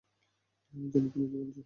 আমি জানি তুমি কি বলছো।